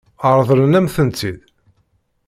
Ṛeḍlen-am-tent-id?